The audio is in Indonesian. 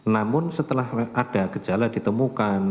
namun setelah ada gejala ditemukan